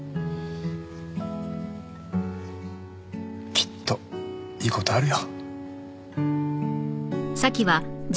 きっといい事あるよ。